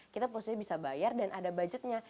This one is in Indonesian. kita posisi bisa bayar dan ada budgetnya